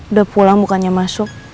udah pulang bukannya masuk